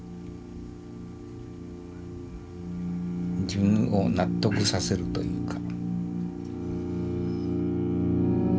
自分を納得させるというか。